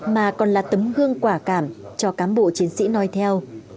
mà còn là tấm gương quả cảm cho cám bộ chiến sĩ nói theo